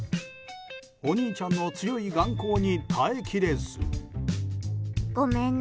お兄ちゃんの強い眼光に耐え切れず。